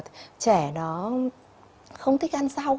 trẻ nó không thích ăn rau